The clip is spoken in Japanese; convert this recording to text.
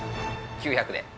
９００で。